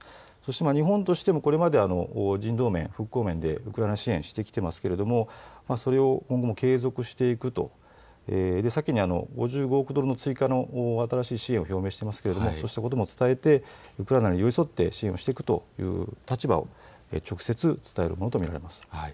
そして日本としてもこれまで人道面、復興面でウクライナ支援してきていますが、それを今後も継続していくと、先に５５億ドルの追加の新しい支援を表明してますがそうしたことも伝えてウクライナに寄り添って支援していくという立場を直接伝えるものと見られます。